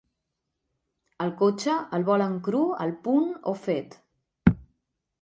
El cotxe, el volen cru, al punt o fet?